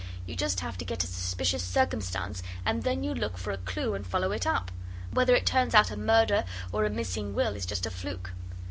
You just have to get a suspicious circumstance, and then you look for a clue and follow it up. Whether it turns out a murder or a missing will is just a fluke.